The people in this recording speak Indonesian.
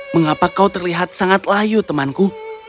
mengapa kau terlihat sangat layu temanku